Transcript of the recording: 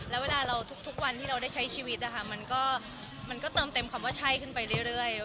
แล้วเวลาเราทุกวันที่เราได้ใช้ชีวิตนะคะมันก็เติมเต็มคำว่าใช่ขึ้นไปเรื่อย